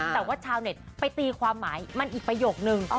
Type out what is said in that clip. แต่ว่าชาวเน็ตไปตีความหมายมันอีกประโยคนึง